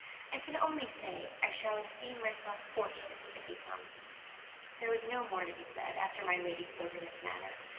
I can only say I shall esteem myself fortunate if he comes." There was no more to be said, after my lady spoke in this manner.